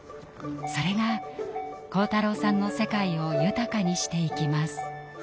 それが晃太郎さんの世界を豊かにしていきます。